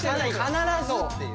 必ずっていう。